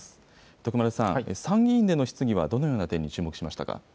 徳丸さん、参議院での質疑はどのような点に注目しましたか。